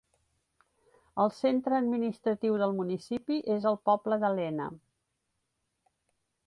El centre administratiu del municipi és el poble de Lena.